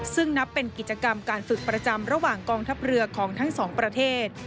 ซึ่งนับเป็นกิจกรรมการฝึกประจำระหว่างกองทัพเรือของทั้งสองประเทศ